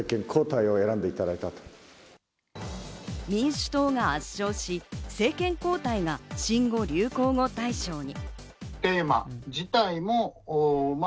民主党が圧勝し政権交代が新語・流行語大賞に。